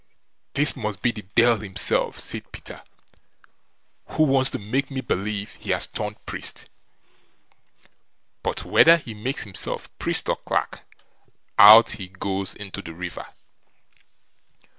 "This must be the Deil himself", said Peter, "who wants to make me believe he has turned priest; but whether he makes himself priest or clerk, out he goes into the river."